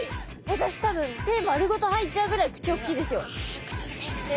私多分手丸ごと入っちゃうぐらい口おっきいですよ。